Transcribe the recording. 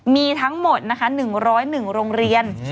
มีทั้งหมดนะคะ๑๐๑โรงเรียน